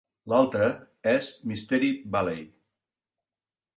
L'altre és Mystery Valley.